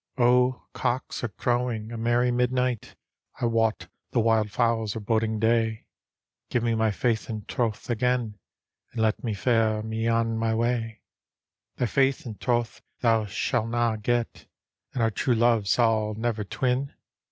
" O, cocks are crowing a merry midnight; I wot the wild fowls are boding day. Give me my faith and troth again, And let me fare me on my way." " Thy faith and troth thou sail na get, And our true !ove sail never twin.